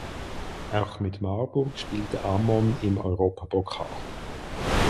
Auch mit Marburg spielte Ammon im Europapokal.